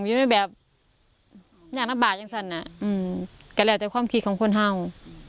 อยู่แบบอยากน่าบาดจังสรรเนอือกลายได้จากความคิดของคนข้าว